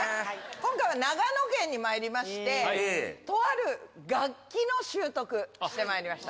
今回は長野県にまいりまして、とある楽器の習得、してまいりました。